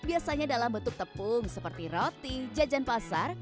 biasanya dalam bentuk tepung seperti roti jajan pasar